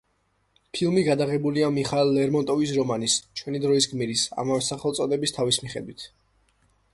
ფილმი გადაღებულია მიხაილ ლერმონტოვის რომანის „ჩვენი დროის გმირის“ ამავე სახელწოდების თავის მიხედვით.